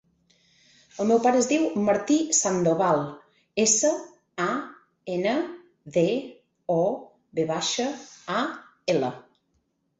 El meu pare es diu Martí Sandoval: essa, a, ena, de, o, ve baixa, a, ela.